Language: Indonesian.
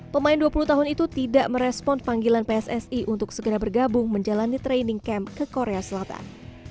pemain dua puluh tahun itu tidak merespon panggilan pssi untuk segera bergabung menjalani training camp ke korea selatan